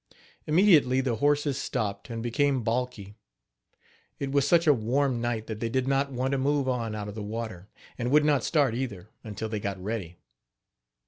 Immediately the horses stopped, and became balky. It was such a warm night that they did not want to move on out of the water, and would not start, either, until they got ready.